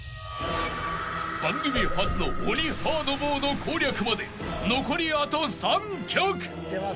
［番組初の鬼ハードモード攻略まで残りあと３曲］